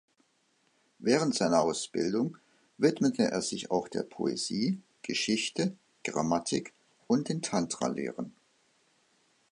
Während seiner Ausbildung widmete er sich auch der Poesie, Geschichte, Grammatik und den Tantra-Lehren.